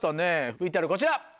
ＶＴＲこちら。